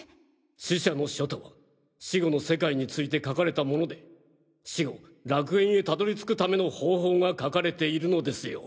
『死者の書』とは死後の世界について書かれたもので死後楽園へたどり着くための方法が書かれているのですよ。